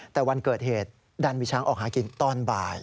แต่วันเกิดเหตุดันมีช้างออกหากินตอนบ่าย